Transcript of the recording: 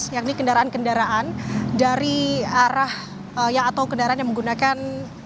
yakni kendaraan kendaraan dari arah atau kendaraan yang menggunakan